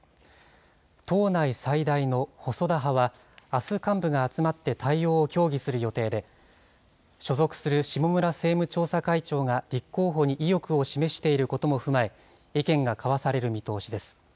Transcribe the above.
党内最大の細田派は、あす幹部が集まって対応を協議する予定で、所属する下村政務調査会長が立候補に意欲を示していることも踏まえ、意見が交わされる見通しです。